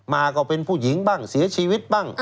ก็เป็นผู้หญิงบ้างเสียชีวิตบ้าง